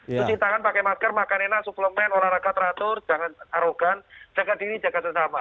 cuci tangan pakai masker makan enak suplemen olahraga teratur jangan arogan jaga diri jaga sesama